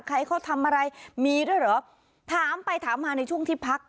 ใครเขาทำอะไรมีด้วยเหรอถามไปถามมาในช่วงที่พัก